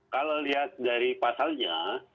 kalau lihat dari pasalnya